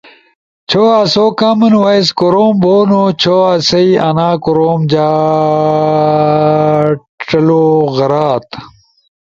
چھو اسو کامن وائس کوروم بونو چھو اسائی انا کوروم جا ڇلو غرات